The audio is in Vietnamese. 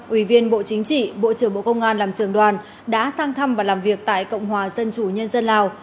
ủy viên bộ chính trị bộ trưởng bộ công an làm trường đoàn đã sang thăm và làm việc tại cộng hòa dân chủ nhân dân lào